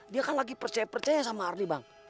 dia kan lagi percaya percaya sama ardi bang